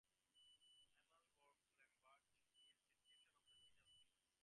Aylmer Bourke Lambert and his 'Description of the Genus Pinus'.